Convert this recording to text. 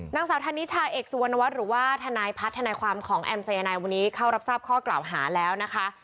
นางสาวธนิชาเอกสุวรรณวัฒน์หรือว่าทนายพัฒน์ทนายความของแอมสายนายวันนี้เข้ารับทราบข้อกล่าวหาแล้วนะคะ